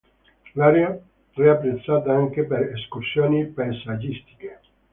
L'area è apprezzata anche per escursioni paesaggistiche.